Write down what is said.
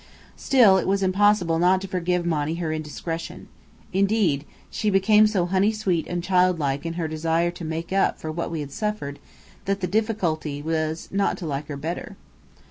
Still, it was impossible not to forgive Monny her indiscretion. Indeed, she became so honey sweet and childlike in her desire to "make up" for what we had suffered, that the difficulty was not to like her better.